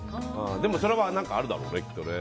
でも、それはあるだろうね。